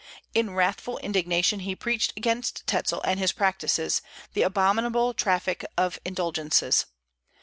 In wrathful indignation he preached against Tetzel and his practices, the abominable traffic of indulgences.